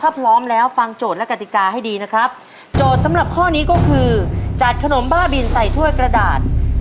ถ้าพร้อมแล้วฟังโจทย์และกติกาให้ดีนะครับโจทย์สำหรับข้อนี้ก็คือจัดขนมบ้าบินใส่ถ้วยกระดาษ